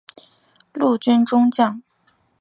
陆军中将。